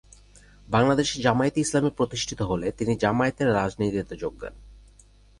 বাংলাদেশ জামায়াতে ইসলামী প্রতিষ্ঠিত হলে তিনি জামায়াতের রাজনীতিতে যোগ দেন।